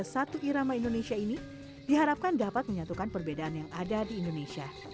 satu irama indonesia ini diharapkan dapat menyatukan perbedaan yang ada di indonesia